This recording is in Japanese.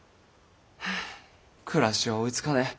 暮らしは追いつかねえ